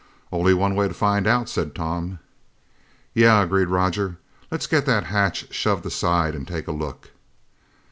"Only one way to find out," said Tom. "Yeah," agreed Roger. "Let's get that hatch shoved aside and take a look."